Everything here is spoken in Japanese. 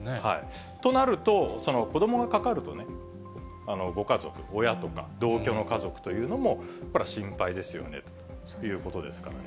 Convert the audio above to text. となると、子どもがかかると、ご家族、親とか同居の家族というのも、これは心配ですよねということですからね。